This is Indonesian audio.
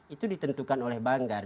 itu ditentukan oleh banggar